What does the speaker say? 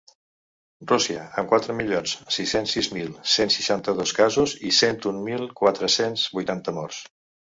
Rússia, amb quatre milions sis-cents sis mil cent seixanta-dos casos i cent un mil quatre-cents vuitanta morts.